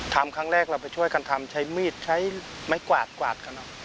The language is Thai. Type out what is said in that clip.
ทำครั้งแรกเราไปช่วยกันทำใช้มีดใช้ไม้กวาดกวาดกัน